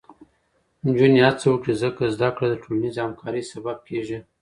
نجونې هڅه وکړي، ځکه زده کړه د ټولنیزې همکارۍ سبب کېږي.